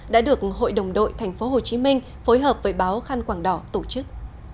đã được hội đồng đội tp hcm phối hợp với báo khanh quảng đỏ tổ chức